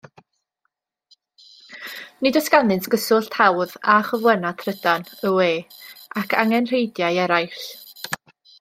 Nid oes ganddynt gyswllt hawdd â chyflenwad thrydan, y we, ac angenrheidiau eraill.